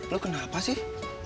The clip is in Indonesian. lo kenapa sih